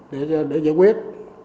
để giải quyết